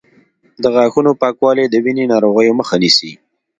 د غاښونو پاکوالی د وینې ناروغیو مخه نیسي.